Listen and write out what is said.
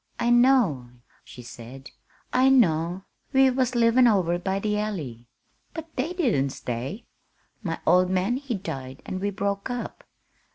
"I know," she said, "I know. We was livin' over by the Alley. But they didn't stay. My old man he died an' we broke up.